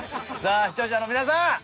さあ視聴者の皆さん